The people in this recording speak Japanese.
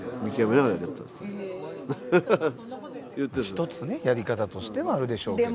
一つねやり方としてはあるでしょうけど。